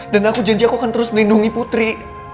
dan aku janji aku akan terus melindungi putri